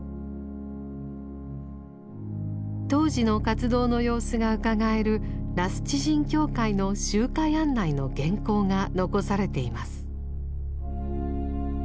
当時の活動の様子がうかがえる羅須地人協会の集会案内の原稿が残されています。